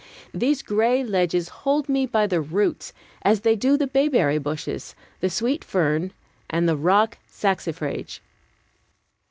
These gray ledges hold me by the roots, as they do the bayberry bushes, the sweet fern, and the rock saxifrage.